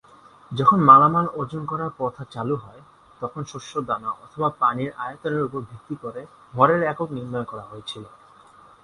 যখন মালামাল ওজন করার প্রথা চালু হল, তখন শস্যদানা অথবা পানির আয়তনের ওপর ভিত্তি করে ভরের একক নির্ধারণ করা হয়েছিল।